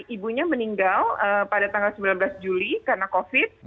ibunya meninggal pada tanggal sembilan belas juli karena covid